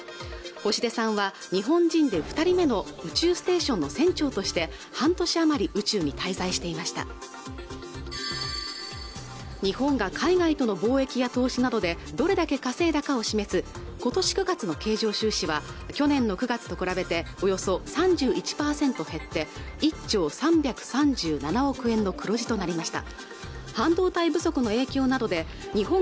星出さんは日本人で二人目の宇宙ステーションの船長として半年余り宇宙に滞在していました日本が海外との貿易や投資などでどれだけ稼いだかを示すことし９月の経常収支は去年の９月と比べておよそ３１％減って１兆３３７億円の黒字となりました